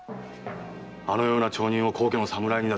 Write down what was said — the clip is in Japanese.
あのような町人を高家の侍になど。